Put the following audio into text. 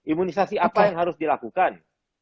imunisasi apa yang harus dilakukan